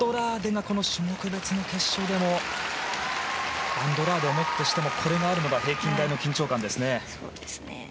種目別決勝でもアンドラーデをもってしてもこれがあるのが平均台の緊張感ですね。